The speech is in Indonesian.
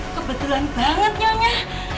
kebetulan saya punya